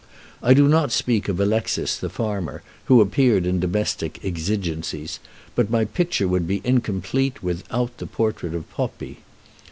I do not speak of Alexis, the farmer, who appeared in domestic exigencies; but my picture would be incomplete without the portrait of Poppi.